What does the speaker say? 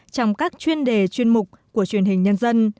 trong các chuyên đề chuyên mục của truyền hình nhân dân